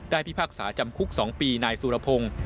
พิพากษาจำคุก๒ปีนายสุรพงศ์